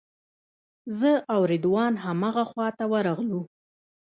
زه او رضوان همغه خواته ورغلو.